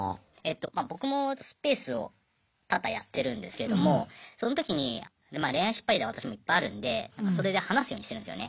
まあ僕もスペースを多々やってるんですけれどもその時にまあ恋愛失敗談私もいっぱいあるんでそれで話すようにしてるんですよね。